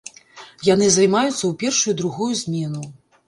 Яны займаюцца ў першую і другую змену.